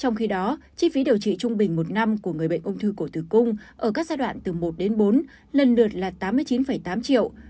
trong khi đó chi phí điều trị trung bình một năm của người bệnh ung thư cổ tử cung ở các giai đoạn từ một đến bốn lần lượt là tám mươi chín tám triệu